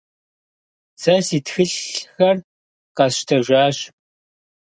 Сэ си тхылъхэр къэсщтэжащ.